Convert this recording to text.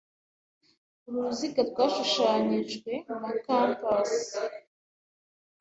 Uru ruziga rwashushanijwe na compas.